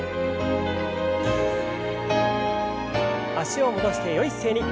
脚を戻してよい姿勢に。